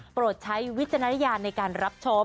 ใช้วิจารณญาณในการรับชม